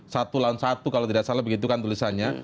satu lawan satu kalau tidak salah begitu kan tulisannya